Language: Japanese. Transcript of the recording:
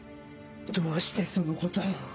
どうしてそのことを！